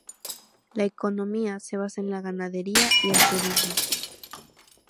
La economía se basa en la ganadería y el turismo.